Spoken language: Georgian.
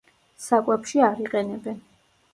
საკვებში არ იყენებენ.